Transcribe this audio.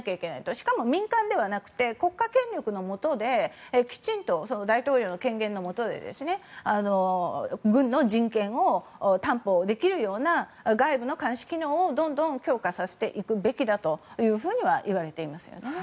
しかも民間ではなくて国家権力のもとできちんと大統領の権限のもとで軍の人権を担保できるような外部の監視機能をどんどん強化させていくべきだとはいわれていますよね。